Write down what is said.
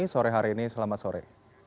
sore hari ini selamat sore